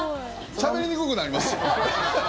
しゃべりにくくなります。